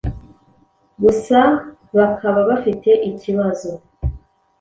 gusa bakaba bafite ikibazo